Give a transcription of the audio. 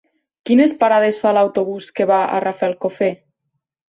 Quines parades fa l'autobús que va a Rafelcofer?